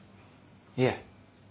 いえ。